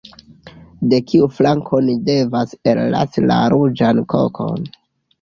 De kiu flanko ni devas ellasi la ruĝan kokon?